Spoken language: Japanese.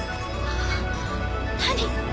何？